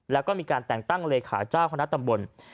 แล้วก็มีการแต่งตั้งเลขาเจ้าคณะตำบล